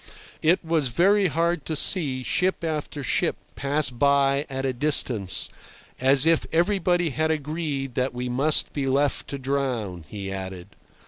It was very hard to see ship after ship pass by at a distance, "as if everybody had agreed that we must be left to drown," he added.